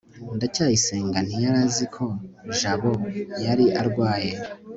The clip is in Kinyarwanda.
ndacyayisenga ntiyari azi ko jabo yari arwaye